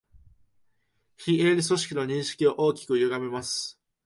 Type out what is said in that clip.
非営利組織の認識を大きくゆがめます